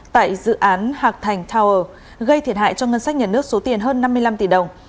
tại dự án hạc thành tower gây thiệt hại cho ngân sách nhà nước số tiền hơn năm mươi năm tỷ đồng